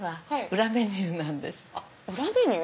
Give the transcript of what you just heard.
裏メニュー？